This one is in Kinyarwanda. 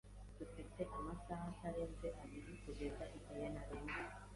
Dufite amasaha atarenze abiri kugeza igihe ntarengwa.